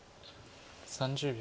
３０秒。